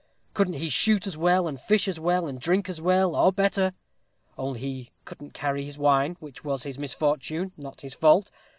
Couldn't he shoot as well, and fish as well, and drink as well, or better? only he couldn't carry his wine, which was his misfortune, not his fault.